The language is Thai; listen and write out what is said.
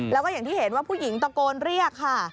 แล้วก็อย่างที่เห็นว่าผู้หญิงตะโกนเรียกค่ะ